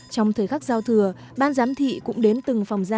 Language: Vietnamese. trong thời khắc giao thừa ban giám thị cũng đến từng phòng gia